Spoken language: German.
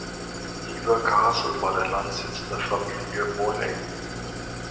Hever Castle war der Landsitz der Familie Boleyn.